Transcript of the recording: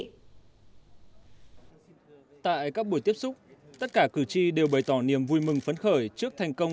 tại các buổi tiếp xúc tất cả cử tri đều bày tỏ niềm vui mừng phấn khởi trước thành công